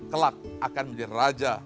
kelak akan menjadi raja